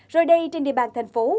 rồi đây trên địa bàn thành phố